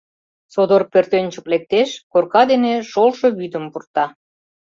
Содор пӧртӧнчык лектеш, корка дене шолшо вӱдым пурта.